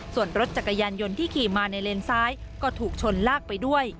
ส่วนรถจักรยานยนต์ที่ขี่มาในเลนซ้ายก็ถูกชนลากไปด้วย